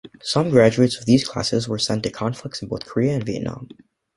Some graduates of these classes were sent to conflicts in both Korea and Vietnam.